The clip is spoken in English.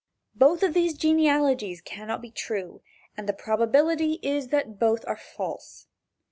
Both of these genealogies cannot be true, and the probability is that both are false.